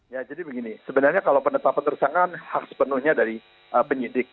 ya jadi begini sebenarnya kalau penetapan tersangka hak sepenuhnya dari penyidik